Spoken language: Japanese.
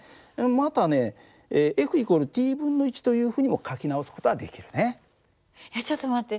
またね＝というふうにも書き直す事はでいやちょっと待って。